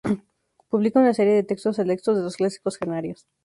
Publica una serie de textos selectos de los Clásicos Canarios.